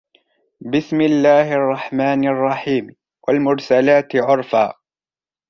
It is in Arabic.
بسم الله الرحمن الرحيم والمرسلات عرفا